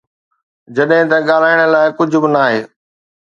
جڏهن ته ڳالهائڻ لاءِ ڪجهه به ناهي.